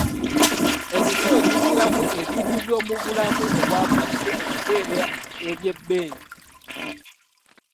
Emisolo giviirako ebintu by'omu bulamu obwa bulijjo okubeera eby'ebbeeyi.